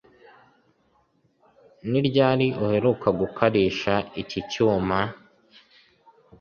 ni ryari uheruka gukarisha iki cyuma?